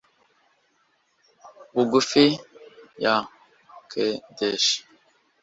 bugufi ya kedeshi